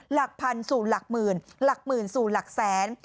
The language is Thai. หลักพันสู่หลักหมื่นหลักหมื่นสู่หลักแสน